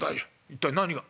一体何が。